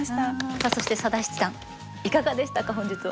さあそして佐田七段いかがでしたか本日は。